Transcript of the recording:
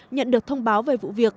nhận được thông báo về vụ việc